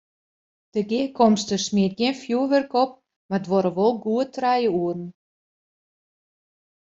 De gearkomste smiet gjin fjoerwurk op, mar duorre wol goed trije oeren.